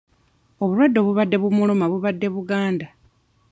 Obulwadde obubadde bumuluma bubadde buganda.